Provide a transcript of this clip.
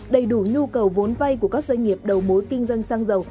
đầy đủ nhu cầu vốn vay của các doanh nghiệp đầu mối kinh doanh xăng dầu